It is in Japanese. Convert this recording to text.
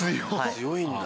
強いんだ。